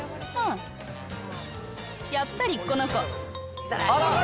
やっぱりこの子！